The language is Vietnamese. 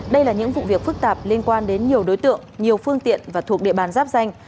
đây là những vụ việc phức tạp liên quan đến nhiều đối tượng nhiều phương tiện và thuộc địa bàn giáp danh